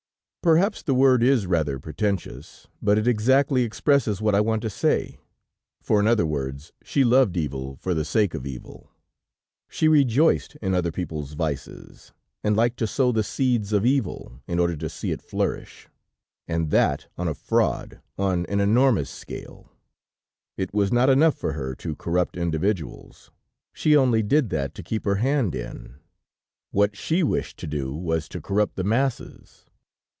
Perhaps the word is rather pretentious, but it exactly expresses what I want to say, for in other words, she loved evil for the sake of evil. She rejoiced in other people's vices, and liked to sow the seeds of evil, in order to see it flourish. And that on a fraud, on an enormous scale. It was not enough for her to corrupt individuals; she only did that to keep her hand in; what she wished to do, was to corrupt the masses.